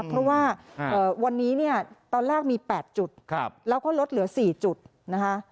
เพราะว่าวันนี้เนี่ยตอนแรกมี๘จุดแล้วก็ลดเหลือ๔จุดนะคะ